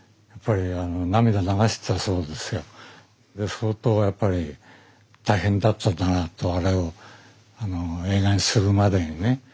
相当やっぱり大変だったんだなとあれを映画にするまでにね。